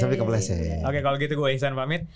oke kalau gitu gue iksan pamit